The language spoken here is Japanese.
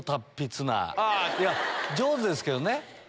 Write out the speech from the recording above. いや上手ですけどね。